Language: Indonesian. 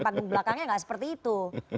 panggung belakangnya nggak seperti itu